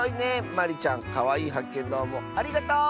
まりちゃんかわいいはっけんどうもありがとう！